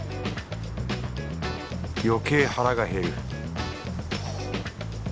余計腹が減る